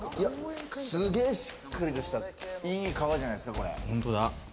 すげぇしっかりとしたいい革じゃないすか。